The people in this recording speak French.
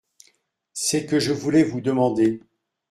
C’est que je voulais vous demander…